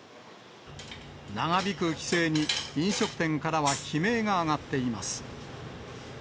長引く規制に、飲食店からは悲鳴が上がっています。